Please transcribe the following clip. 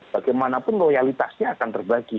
bagaimanapun loyalitasnya akan terbagi